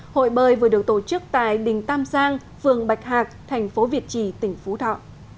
hội bơi vừa được tổ chức tại đình tam giang phường bạch hạc thành phố việt trì tỉnh phú thọ